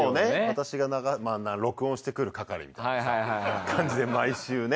私がまあ録音してくる係みたいなさ感じで毎週ね。